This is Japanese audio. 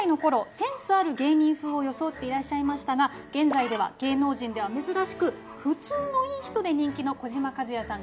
センスある芸人風を装っていらっしゃいましたが現在では芸能人では珍しく普通のいい人で人気の児嶋一哉さん